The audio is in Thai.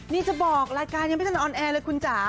นี่จะบอกรายการยังไม่ทันออนแอร์เลยคุณจ๋า